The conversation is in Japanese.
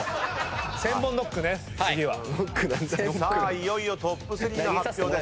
いよいよトップ３の発表です。